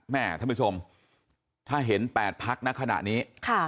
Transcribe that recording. ท่านผู้ชมถ้าเห็น๘พักในขณะนี้